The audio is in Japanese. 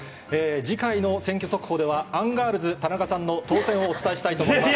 次回の選挙速報では、アンガールズ・田中さんの当選をお伝えしたいと思います。